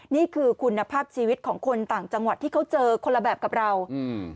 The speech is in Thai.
นี่คือคุณภาพชีวิตของคนต่างจังหวัดที่เขาเจอคนละแบบกับเราอืม